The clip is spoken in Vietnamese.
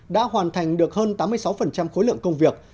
đã hoàn thành được hơn tám mươi sáu khối lượng công việc